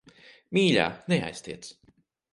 Mīļā, neaiztiec.